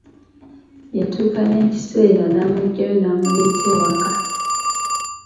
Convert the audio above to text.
Yatuuka n'ekiseera n'amuggyayo n'muleeta ewaka.